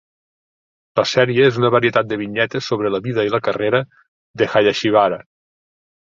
La sèrie és una varietat de vinyetes sobre la vida i la carrera de Hayashibara.